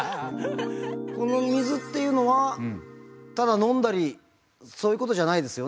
この水っていうのはただ飲んだりそういうことじゃないですよね？